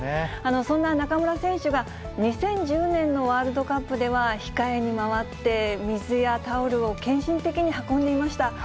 そんな中村選手が、２０１０年のワールドカップでは控えに回って、水やタオルを献身的に運んでいました。